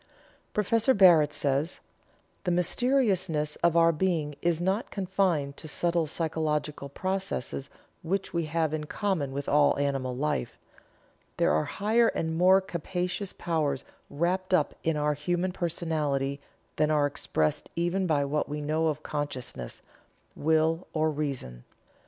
Prof. Barrett says: "The mysteriousness of our being is not confined to subtle physiological processes which we have in common with all animal life. There are higher and more capacious powers wrapped up in our human personality than are expressed even by what we know of consciousness, will, or reason.